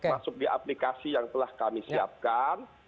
masuk di aplikasi yang telah kami siapkan